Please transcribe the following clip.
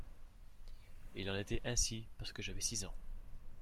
Il en était ainsi parce que j'avais six ans.